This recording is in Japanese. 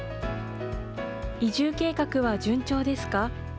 移住計画は順調ですか？